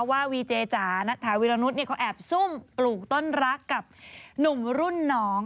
วีเจจ๋าถาวีรนุษย์เขาแอบซุ่มปลูกต้นรักกับหนุ่มรุ่นน้อง